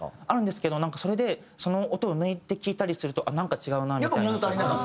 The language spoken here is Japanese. あるんですけどなんかそれでその音を抜いて聴いたりするとなんか違うなみたいな。